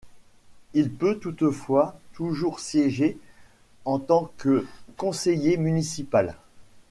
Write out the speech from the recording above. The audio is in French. Il peut toutefois toujours siéger en tant que conseiller municipal.